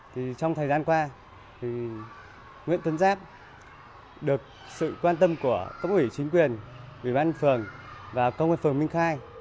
trong thời gian qua nguyễn tuấn giáp được sự quan tâm của công ủy chính quyền ủy ban phường và công an phường minh khai